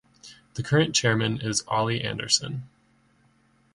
The current chairman is Ole Andersen.